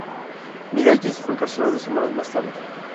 Miralles fue encarcelado semanas más tarde.